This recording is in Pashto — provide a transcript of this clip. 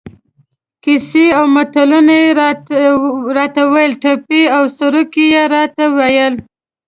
کیسې او متلونه یې را ته ویل، ټپې او سروکي یې را ته ویل.